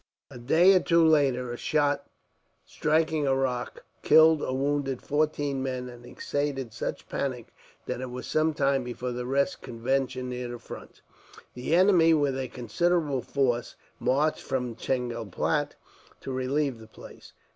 A day or two later a shot, striking a rock, killed or wounded fourteen men; and excited such a panic, that it was some time before the rest would venture near the front. The enemy, with a considerable force, marched from Chengalpatt to relieve the place.